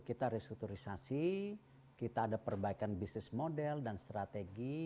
kita restrukturisasi kita ada perbaikan bisnis model dan strategi